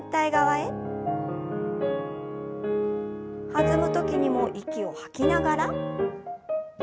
弾む時にも息を吐きながら。